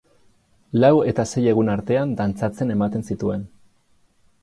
Lau eta sei egun artean dantzatzen eman zituen.